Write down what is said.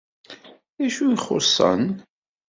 Dacu i ixuṣṣen?